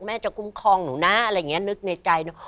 แม่จะคุ้มครองหนูนะอะไรอย่างนี้นึกในใจเนอะ